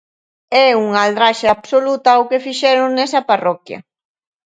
É unha aldraxe absoluta o que fixeron nesa parroquia.